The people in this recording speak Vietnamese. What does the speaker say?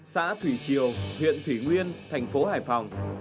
xã thủy triều huyện thủy nguyên thành phố hải phòng